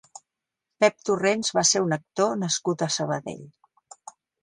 Pep Torrents va ser un actor nascut a Sabadell.